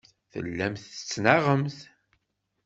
Tellamt tettnaɣemt.